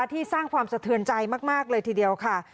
สร้างความสะเทือนใจมากเลยทีเดียวค่ะ